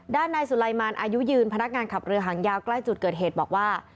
ด้านนายสุไลมารอายุยืนพนักงานขับเรือหางยาวใกล้จุดเกิดเหตุบอกว่า